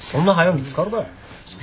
見つかるかい。